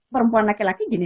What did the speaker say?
perempuan laki laki jenis